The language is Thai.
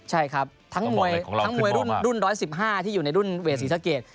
ใช่ครับทั้งมวยรุ่น๑๑๕ที่อยู่ในรุ่นเวทศรีสะเกด